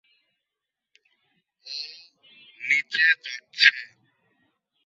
ও নিচে যাচ্ছে!